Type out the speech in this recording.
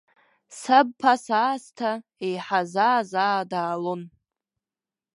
Саб ԥаса аасҭа еиҳа заа-заа даалон.